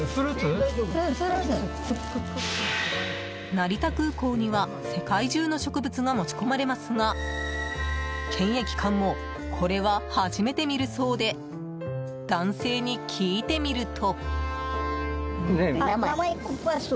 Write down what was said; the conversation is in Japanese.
成田空港には世界中の植物が持ち込まれますが検疫官もこれは初めて見るそうで男性に聞いてみると。